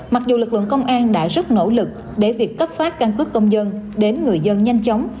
mặc dù lực lượng công an đã rất nỗ lực để việc cấp phát căn cứ công dân đến người dân nhanh chóng